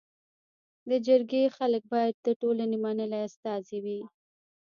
د جرګي خلک باید د ټولني منلي استازي وي.